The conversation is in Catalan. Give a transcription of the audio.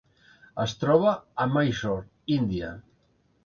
Es troba a Mysore, Índia.